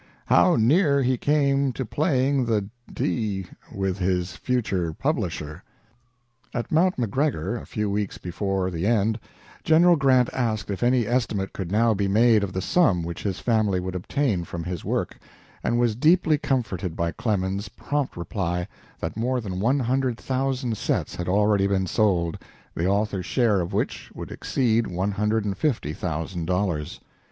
How near he came to playing the d with his future publisher." At Mount McGregor, a few weeks before the end, General Grant asked if any estimate could now be made of the sum which his family would obtain from his work, and was deeply comforted by Clemens's prompt reply that more than one hundred thousand sets had already been sold, the author's share of which would exceed one hundred and fifty thousand dollars.